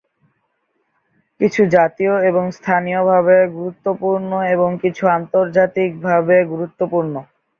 কিছু জাতীয় এবং স্থানীয়ভাবে গুরুত্বপূর্ণ এবং কিছু আন্তর্জাতিকভাবে গুরুত্বপূর্ণ।